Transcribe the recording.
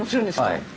はい。